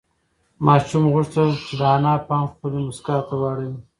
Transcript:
ماشوم غوښتل چې د انا پام خپلې مسکا ته واړوي.